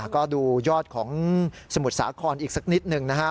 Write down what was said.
ก็ดูยอดของสมุทรสาครอีกสักนิดหนึ่งนะครับ